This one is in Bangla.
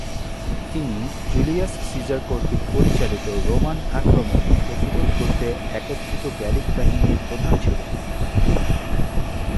তিনি জুলিয়াস সিজার কর্তৃক পরিচালিত রোমান আক্রমণে প্রতিরোধ গড়তে একত্রীত গ্যালিক বাহিনীর প্রধান ছিলেন।